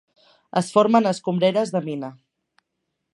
Es forma en escombreres de mina.